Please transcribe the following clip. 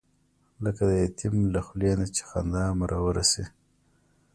لکه د یتیم له خولې نه چې خندا مروره شي.